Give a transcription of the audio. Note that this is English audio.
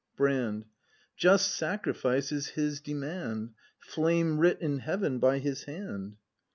Brand. Just sacrifice is His demand, — Flame writ in Heaven by His hand!